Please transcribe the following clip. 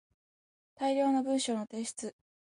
大量の文章の提出